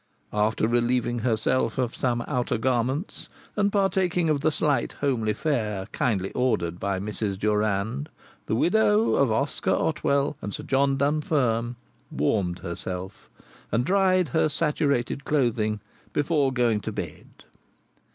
After relieving herself of some outer garments, and partaking of the slight homely fare kindly ordered by Mrs. Durand, the widow of Oscar Otwell and Sir John Dunfern warmed herself and dried her saturated clothing before going to bed.